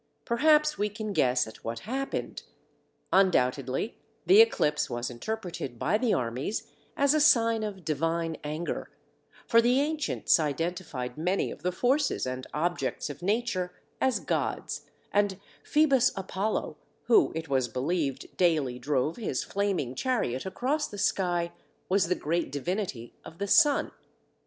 Perhaps we can guess at what happened. Undoubtedly the eclipse was interpreted by the armies as a sign of divine anger, for the ancients identified many of the forces and objects of nature as gods, and Phoebus Apollo, who it was believed daily drove his flaming chariot across the sky, was the great divinity of the sun.